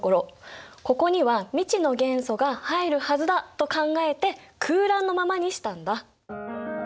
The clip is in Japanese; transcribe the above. ここには未知の元素が入るはずだと考えて空欄のままにしたんだ。